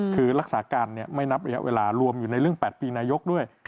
คือรักษาการไม่นับระยะเวลารวมอยู่ในเรื่อง๘ปีนายกด้วย